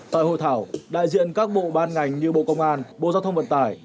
tại hội thảo đại diện các bộ ban ngành như bộ công an bộ giao thông vận tải